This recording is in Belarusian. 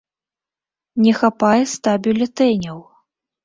Не хапае ста бюлетэняў.